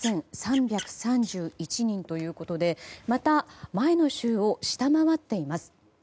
１万７３３１人ということでまた前の週を下回っています。